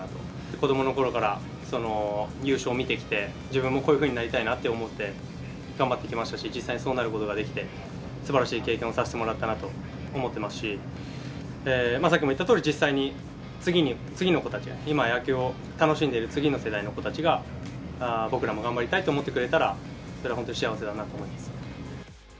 子どものころから優勝を見てきて、自分もこういうふうになりたいなと思って、頑張ってきましたし、実際にそうなることができて、すばらしい経験をさせてもらったなと思ってますし、さっきも言ったように、実際に次の子たちに、今野球を楽しんでいる次の世代の子たちが、僕らも頑張りたいと思ってくれたら、それは本当に幸せだなと思います。